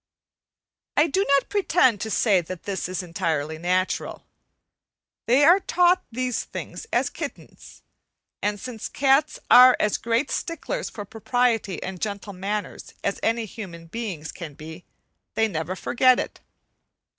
I do not pretend to say that this is entirely natural. They are taught these things as kittens, and since cats are as great sticklers for propriety and gentle manners as any human beings can be, they never forget it.